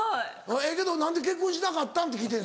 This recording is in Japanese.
ええけど何で結婚しなかったん？って聞いてん。